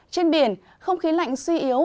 trên biển không khí lạnh suy yếu